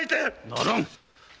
ならん！